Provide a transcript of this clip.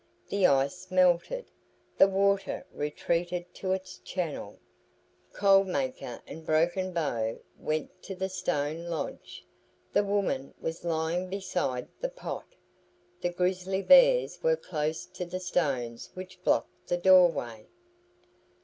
The ice melted. The water retreated to its channel. Cold Maker and Broken Bow went to the stone lodge. The woman was lying beside the pot. The grizzly bears were close to the stones which blocked the door way.